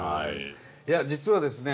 いや実はですね